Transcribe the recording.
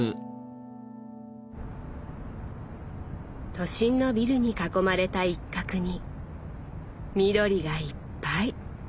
都心のビルに囲まれた一角に緑がいっぱい。